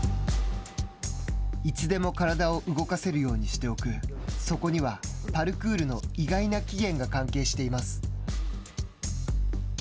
いつでも体を動かせるようにしておく、そこには、パルクールの意外な起源が関係しています。